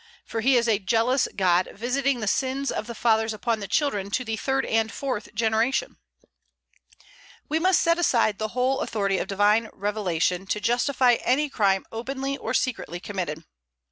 for he is a jealous God, visiting the sins of the fathers upon the children, to the third and fourth generation." We must set aside the whole authority of divine revelation, to justify any crime openly or secretly committed.